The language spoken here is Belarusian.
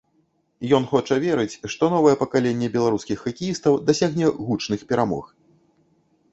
Ён хоча верыць, што новае пакаленне беларускіх хакеістаў дасягне гучных перамог.